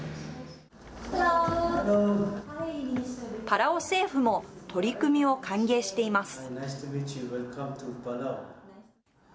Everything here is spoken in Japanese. パラオ政府も、取り組みを歓迎しています。